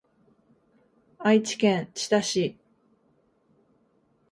愛知県知多市